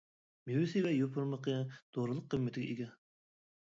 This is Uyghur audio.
مېۋىسى ۋە يوپۇرمىقى دورىلىق قىممىتىگە ئىگە.